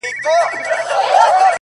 لنډ ماځيگر انتظار!! اوږده غرمه انتظار!!